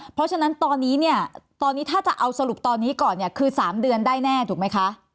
เพราะฉะนั้นตอนนี้เนี่ยตอนนี้ถ้าจะเอาสรุปตอนนี้ก่อนเนี่ยคือ๓เดือนได้แน่ถูกไหมคะ